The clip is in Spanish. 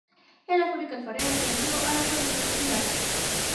En la fábrica alfarera está unido a la producción de tinajas.